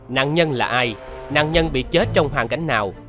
nạn nhân là ai nạn nhân bị chết trong hoàn cảnh nào